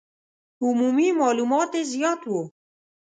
عمومي معلومات یې زیات وو.